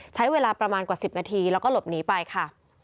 ใช้เวลาประมาณกว่า๑๐นาทีแล้วก็หลบหนีไปค่ะ